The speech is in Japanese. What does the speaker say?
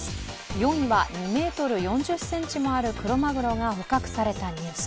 ４位は２ｍ４０ｃｍもあるクロマグロが捕獲されたニュース。